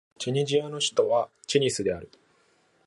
チュニジアの首都はチュニスである